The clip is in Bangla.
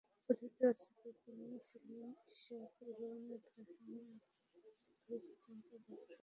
কথিত আছে যে, তিনি ছিলেন ইসহাক ইবন ইবরাহীমের অধঃস্তন বংশধর।